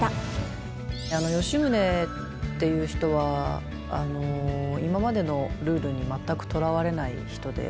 吉宗っていう人は今までのルールに全くとらわれない人で。